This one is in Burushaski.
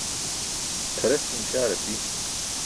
Tʰares cum śaar api.